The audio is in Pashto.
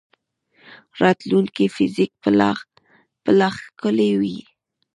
د راتلونکي فزیک به لا ښکلی وي.